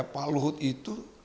pak luhut itu